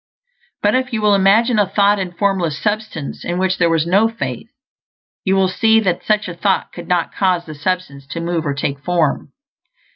But if you will imagine a thought in Formless Substance in which there was no faith, you will see that such a thought could not cause the Substance to move or take form.